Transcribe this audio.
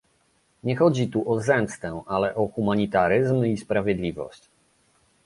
Nie chodzi tu o zemstę, ale o humanitaryzm i sprawiedliwość